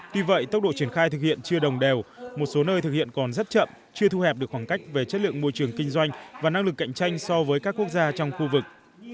tuy vậy tốc độ triển khai thực hiện chưa đồng đều một số nơi thực hiện còn rất chậm chưa thu hẹp được khoảng cách về chất lượng môi trường kinh doanh và năng lực cạnh tranh so với các quốc gia trong khu vực